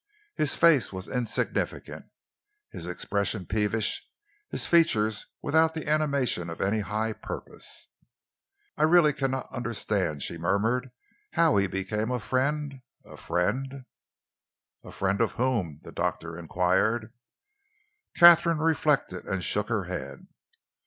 His face was insignificant, his expression peevish, his features without the animation of any high purpose. "I really cannot understand," she murmured, "how he became a friend a friend " "A friend of whom?" the doctor enquired. Katharine reflected and shook her head.